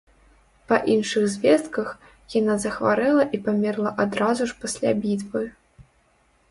Па іншых звестках, яна захварэла і памерла адразу ж пасля бітвы.